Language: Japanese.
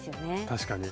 確かに。